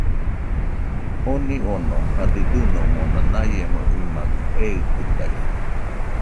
Oni ono jadɨdɨnómona naiemo imajkɨ eikɨtaisa.